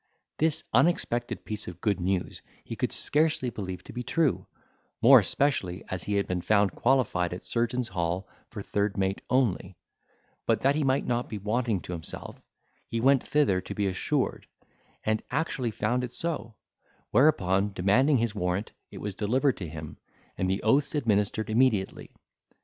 This unexpected piece of good news he could scarcely believe to be true, more especially as he had been found qualified at Surgeons' Hall for third mate only; but that he might not be wanting to himself, he went thither to be assured, and actually found it so: whereupon, demanding his warrant, it was delivered to him, and the oaths administered immediately.